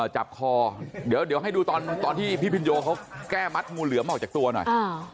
จับคอเดี๋ยวให้ดูตอนที่พี่พินโยเขาแก้มัดงูเหลือมออกจากตัวหน่อย